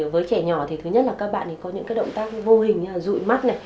với trẻ nhỏ các bạn có những động tác vô hình như rụi mắt